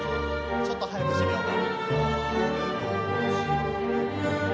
ちょっと速くしてみようか。